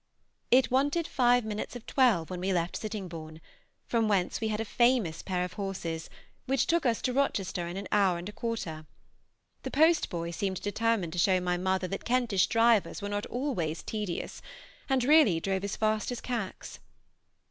It wanted five minutes of twelve when we left Sittingbourne, from whence we had a famous pair of horses, which took us to Rochester in an hour and a quarter; the postboy seemed determined to show my mother that Kentish drivers were not always tedious, and really drove as fast as Cax.